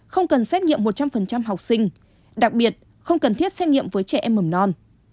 không cần xét nghiệm một trăm linh học sinh đặc biệt không cần thiết xét nghiệm với trẻ em mầm non